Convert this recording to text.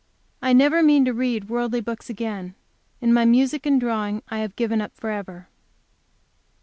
I never mean to read worldly books again, and my music and drawing I have given up forever.